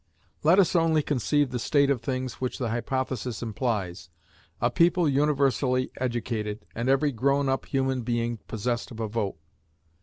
Let us only conceive the state of things which the hypothesis implies: a people universally educated, and every grown up human being possessed of a vote.